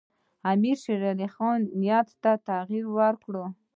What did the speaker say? امیرشیرعلي خان نیت ته تغییر ورکړ.